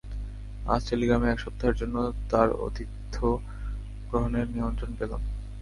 আজ টেলিগ্রামে এক সপ্তাহের জন্য তাঁর আতিথ্যগ্রহণের নিমন্ত্রণ পেলাম।